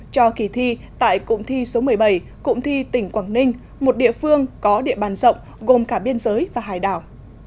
cho kỳ thi tại cụm thi số một mươi bảy cụm thi tỉnh quảng ninh một địa phương có địa bàn rộng gồm cả biên giới và hải đảo